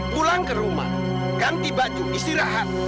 pulang ke rumah ganti baju istirahat